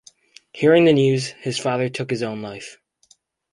Hearing the news, his father took his own life.